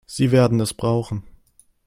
Sie werden es brauchen.